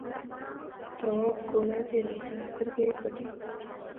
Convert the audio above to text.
تواب گوله تېره کړه سترګې یې پټې.